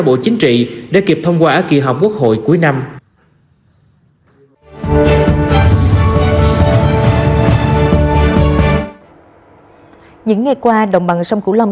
bộ chính trị để kịp thông qua kỳ họp quốc hội cuối năm những ngày qua đồng bằng sông cửu long